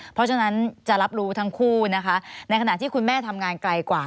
เพราะฉะนั้นจะรับรู้ทั้งคู่นะคะในขณะที่คุณแม่ทำงานไกลกว่า